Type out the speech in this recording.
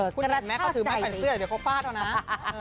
คุณแดดแม่เขาถือไม่ค่อยเสื้อเดี๋ยวเขาพลาดเท่านั้นนะ